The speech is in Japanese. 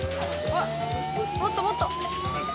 發辰もっともっと！